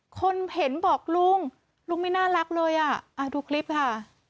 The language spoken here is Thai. คนเห็นบอกลุงลุงไม่น่ารักเลยอ่ะดูคลิปค่ะ